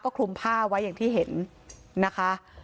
คลุมผ้าไว้อย่างที่เห็นนะคะ